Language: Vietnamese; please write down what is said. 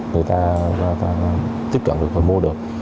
người ta tiếp cận được và mua được